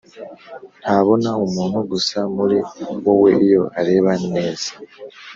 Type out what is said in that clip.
ntabona umuntu gusa muri wowe, iyo areba neza